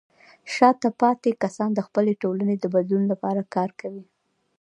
شاته پاتې کسان د خپلې ټولنې د بدلون لپاره کار کوي.